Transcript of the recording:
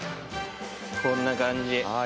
こんな感じ。